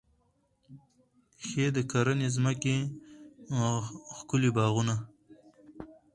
ښې د کرنې ځمکې، ښکلي باغونه